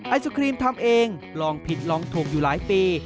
ไอศครีมทำเองลองผิดลองถูกอยู่หลายปี